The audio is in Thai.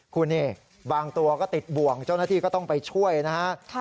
คุณนี่บางตัวก็ติดบ่วงเจ้าหน้าที่ก็ต้องไปช่วยนะฮะ